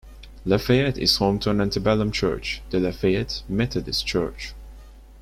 LaFayette is home to an antebellum church, the Lafayette Methodist Church.